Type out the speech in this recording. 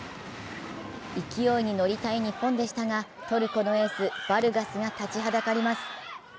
勢いに乗りたい日本でしたがトルコのエース・バルガスが立ちはだかります。